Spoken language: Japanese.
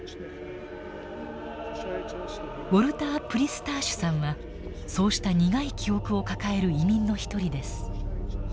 ウォルター・プリスターシュさんはそうした苦い記憶を抱える移民の一人です。